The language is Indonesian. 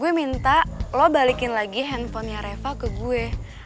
gue minta lo balikin lagi handphonenya reva ke gue